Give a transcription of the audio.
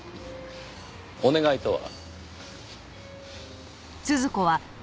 お願いとは？